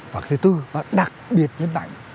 và thứ tư bác đặc biệt nhấn mạnh